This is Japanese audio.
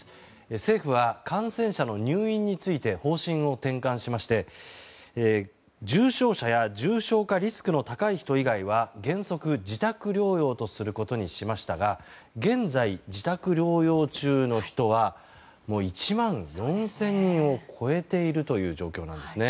政府は、感染者の入院について方針を転換しまして重症者や重症化リスクの高い人以外は原則、自宅療養とすることにしましたが現在、自宅療養中の人はもう１万４０００人を超えているという状況なんですね。